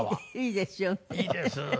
いいです！